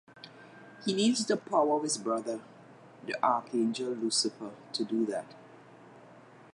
He needs the power of his brother, the Archangel Lucifer to do that.